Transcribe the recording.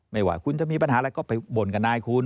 ไม่ว่าคุณจะมีปัญหาอะไรก็ไปบ่นกับนายคุณ